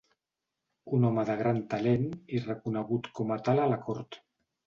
Un home de gran talent i reconegut com tal a la cort.